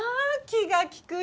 気が利く